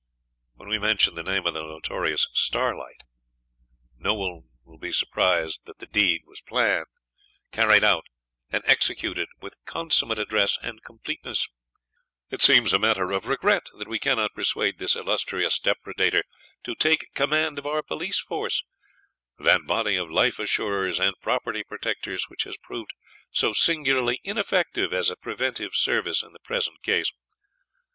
When we mention the name of the notorious 'Starlight', no one will be surprised that the deed was planned, carried out, and executed with consummate address and completeness. It seems matter of regret that we cannot persuade this illustrious depredator to take the command of our police force, that body of life assurers and property protectors which has proved so singularly ineffective as a preventive service in the present case.